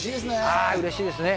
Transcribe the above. うれしいですね。